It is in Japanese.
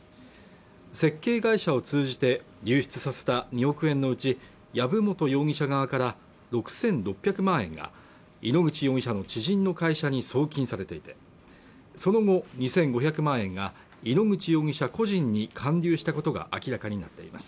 設計会社を通じて流出させた２億円のうち薮本容疑者側から６６００万円が井ノ口容疑者の知人の会社に送金されていてその後２５００万円が井ノ口容疑者個人に還流したことが明らかになっています